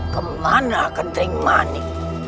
kemana kering mani